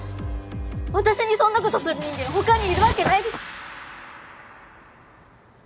私にそんなことする人間ほかにいるわけないでしょ。